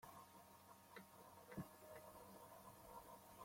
D acu i d-teqqaṛem?